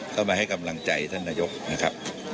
เข้ามาให้กำลังใจท่านนายกนะครับ